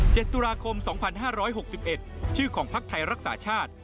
ตุลาคมสองพันห้าร้อยหกสิบเอ็ดชื่อของภักดิ์ไทยรักษาชาติ